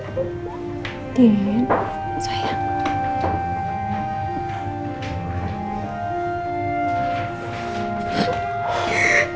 bapak ibu bersabar